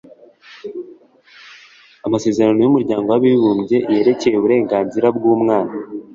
Amasezerano y Umuryango w Abibumbye yerekeye uburenganzira bw umwana